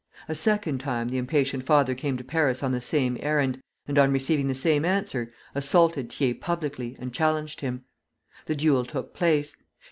A second time the impatient father came to Paris on the same errand, and on receiving the same answer, assaulted Thiers publicly and challenged him. The duel took place.